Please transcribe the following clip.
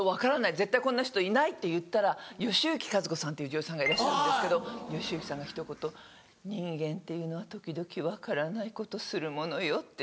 絶対こんな人いない」って言ったら吉行和子さんっていう女優さんがいらっしゃるんですけど吉行さんがひと言「人間っていうのは時々分からないことするものよ」って。